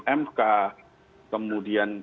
kemudian kalau misalkan disandingkan